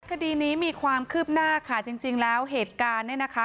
คดีนี้มีความคืบหน้าค่ะจริงแล้วเหตุการณ์เนี่ยนะคะ